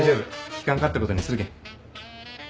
聞かんかったことにするけん。